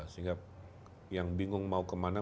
sehingga yang bingung mau kemana